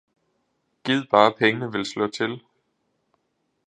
Gid bare pengene vil slå til